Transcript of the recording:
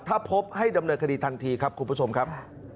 ถ้าพบให้ดำเนินคดีทันทีครับคุณผู้ชมครับ